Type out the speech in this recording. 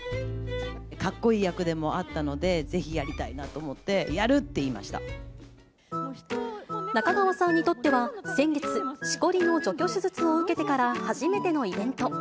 かっこいい役でもあったので、ぜひやりたいなと思って、中川さんにとっては、先月、しこりの除去手術を受けてから初めてのイベント。